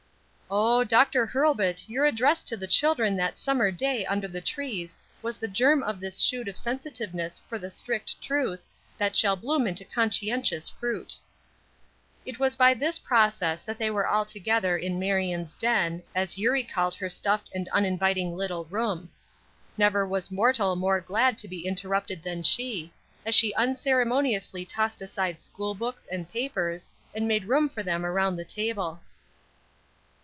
Oh, Dr. Hurlbut your address to the children that summer day under the trees was the germ of this shoot of sensitiveness for the strict truth, that shall bloom into conscientious fruit. It was by this process that they were all together in Marion's den, as Eurie called her stuffed and uninviting little room. Never was mortal more glad to be interrupted than she, as she unceremoniously tossed aside school books and papers, and made room for them around the table.